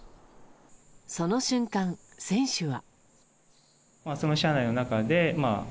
その瞬間、選手は。